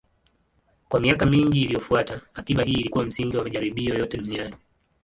Kwa miaka mingi iliyofuata, akiba hii ilikuwa msingi wa majaribio yote duniani.